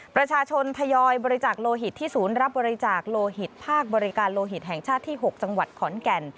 ประชาชนทยอยบริจาคโลหิตที่ศูนย์รับบริจาคโลหิตภาคบริการโลหิตแห่งชาติที่๖จังหวัดขอนแก่น